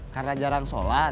karena jarang sholat